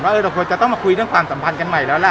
ว่าเอ่ยเขาจะมีใจมาพุดเรื่องความสัมพันธ์กันใหม่แล้วละ